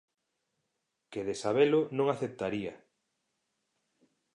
Que de sabelo non aceptaría.